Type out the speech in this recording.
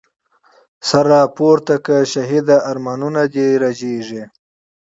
سر راپورته کړه شهیده، ارمانونه دي رژیږی